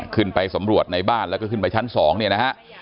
ขึ้นไปสำรวจในบ้านแล้วก็ขึ้นไปชั้น๒เนี่ยนะฮะ